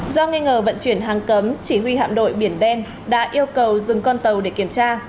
do nghi ngờ vận chuyển hàng cấm chỉ huy hạm đội biển đen đã yêu cầu dừng con tàu để kiểm tra